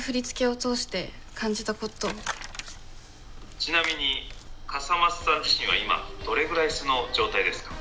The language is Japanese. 「ちなみに笠松さん自身は今どれぐらい素の状態ですか？」。